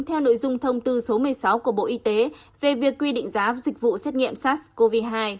theo nội dung thông tư số một mươi sáu của bộ y tế về việc quy định giá dịch vụ xét nghiệm sars cov hai